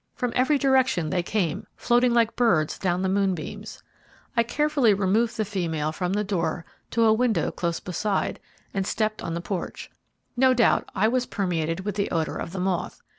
From every direction they came floating like birds down the moonbeams. I carefully removed the female from the door to a window close beside, and stepped on the porch. No doubt I was permeated with the odour of the moth.